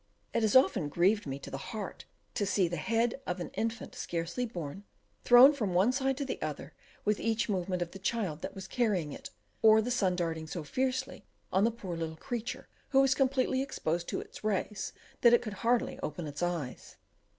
It has often grieved me to the heart to see the head of an infant scarcely born, thrown from one side to the other with each movement of the child that was carrying it, or the sun darting so fiercely on the poor little creature, who was completely exposed to its rays, that it could hardly open its eyes.